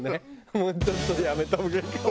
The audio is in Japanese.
もうちょっとやめた方がいいかも。